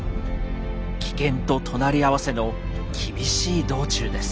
危険と隣り合わせの厳しい道中です。